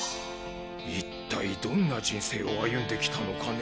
一体どんな人生を歩んできたのかね